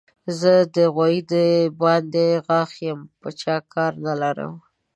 زه د غوايي د باندې غاښ يم؛ په چا کار نه لرم.